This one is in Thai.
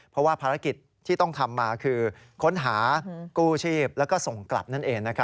เพราะว่าภารกิจที่ต้องทำมาคือค้นหากู้ชีพแล้วก็ส่งกลับนั่นเอง